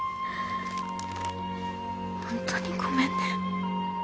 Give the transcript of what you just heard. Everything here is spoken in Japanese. ホントにごめんね。